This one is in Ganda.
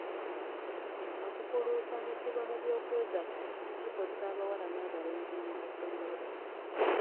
Okukuluusanyizibwa mu by'okwegatta kikosa abawala n'abalenzi mu masomero.